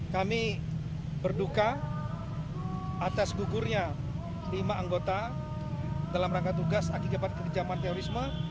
kami berduka atas gugurnya lima anggota dalam rangka tugas agi kebat kegejaman terorisme